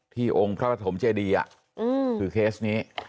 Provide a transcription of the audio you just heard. ที่องค์พระธรรมเจดีย์คือเคสนี้